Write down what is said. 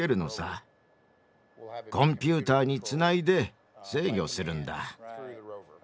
コンピューターにつないで制御するんだ。